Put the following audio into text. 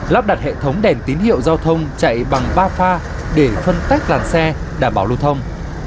lắp đặt hệ thống đèn tín hiệu giao thông chạy bằng ba pha để phân tách làn xe đảm bảo lưu thông